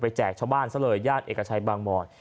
ไปแจกชาวบ้านยศเอกชัยบางบ่อน